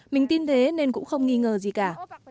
mình tin thế nên cũng không nghi ngờ gì cả